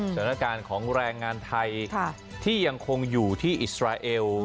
สถานการณ์ของแรงงานไทยที่ยังคงอยู่ที่อิสราเอล